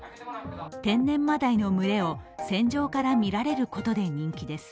天然まだいの群れを船上から見られることで人気です。